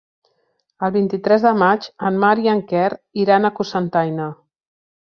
El vint-i-tres de maig en Marc i en Quer iran a Cocentaina.